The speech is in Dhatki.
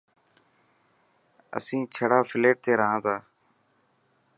اسين ڇڙا فليٽ تي رها تا.